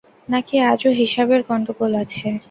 নাকি আজও হিসাবের গণ্ডগোল আছে?